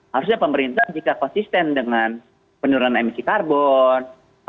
harusnya pemerintah jika konsisten dengan penurunan emisi karbon